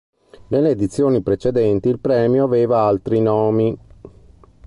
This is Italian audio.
Nelle edizioni precedenti il premio aveva altri nomi.